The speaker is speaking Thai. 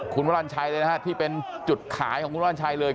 คุณวรรณชัยที่เป็นจุดขายของคุณวรรณชัยเลย